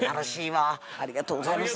ありがとうございます。